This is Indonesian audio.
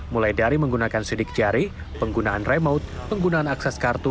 mulai dari menggunakan sidik jari penggunaan remote penggunaan akses kartu